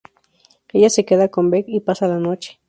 Ella se queda con Bec y pasa la noche.